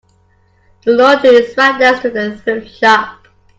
The laundry is right next to the thrift shop.